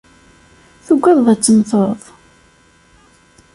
tuggadeḍ ad temteḍ?